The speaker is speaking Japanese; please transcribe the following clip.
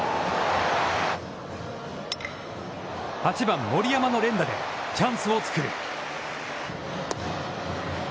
８番森山の連打でチャンスを作る。